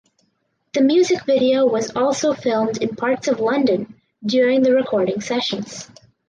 The music video was also filmed in parts of London during the recording sessions.